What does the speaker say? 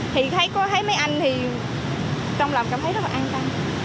thì thấy mấy anh thì trong lòng cảm thấy rất là an tâm